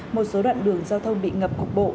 một số đoạn đường giao thông bị ngập cục bộ